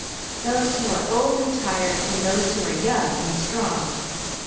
those who are old and tired and those who are young and strong....